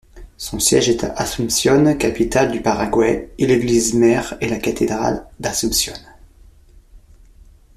Son siège est à Asunción, capitale du Paraguay et l'église-mère est la cathédrale d'Asunción.